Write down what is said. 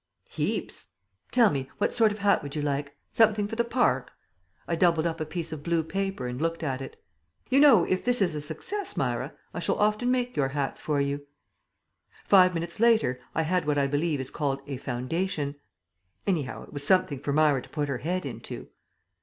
"Heaps. Tell me, what sort of hat would you like? Something for the Park?" I doubled up a piece of blue paper and looked at it. "You know, if this is a success, Myra, I shall often make your hats for you." Five minutes later I had what I believe is called a "foundation." Anyhow, it was something for Myra to put her head into.